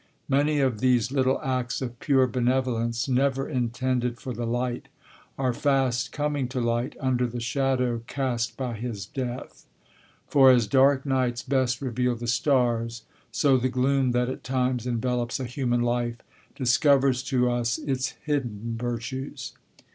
Many of these little acts of pure benevolence, never intended for the light, are fast coming to light under the shadow cast by his death. For as dark nights best reveal the stars, so the gloom that at times envelopes a human life discovers to us its hidden virtues.